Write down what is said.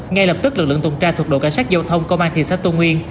ngay lập tức lực lượng tuần tra thuộc đội cảnh sát giao thông công an thị xã tân nguyên